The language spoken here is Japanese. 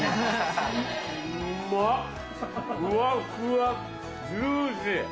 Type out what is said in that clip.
ふわふわジューシー！